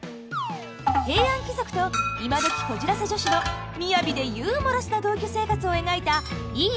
平安貴族と今どきこじらせ女子の雅でユーモラスな同居生活を描いた「いいね！